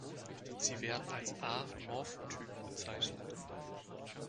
Sie werden als A-Morphotyp bezeichnet.